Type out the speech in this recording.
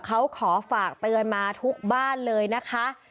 เขาขอฝากเตือนมาทุกบ้านเลยนะคะ